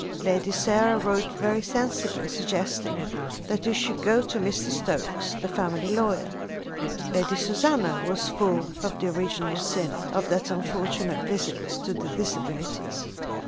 Lady Sarah wrote very sensibly, suggesting that he should go to Mr. Stokes, the family lawyer. Lady Susanna was full of the original sin of that unfortunate visit to the Disabilities.